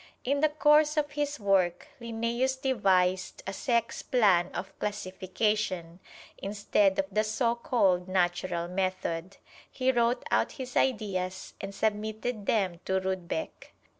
In the course of his work, Linnæus devised a sex plan of classification, instead of the so called natural method. He wrote out his ideas and submitted them to Rudbeck.